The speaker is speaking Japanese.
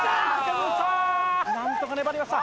なんとか粘りました。